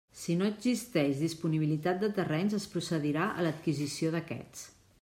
Si no existeix disponibilitat de terrenys, es procedirà a l'adquisició d'aquests.